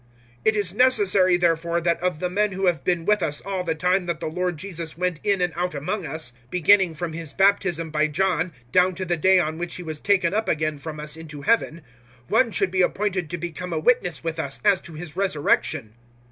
001:021 "It is necessary, therefore, that of the men who have been with us all the time that the Lord Jesus went in and out among us 001:022 beginning from His baptism by John down to the day on which He was taken up again from us into Heaven one should be appointed to become a witness with us as to His resurrection."